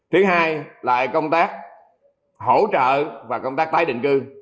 thứ hai là công tác hỗ trợ và công tác tái định cư